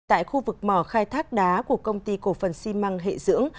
tại khu vực mỏ khai thác đá của công ty cổ phần xi măng hệ dưỡng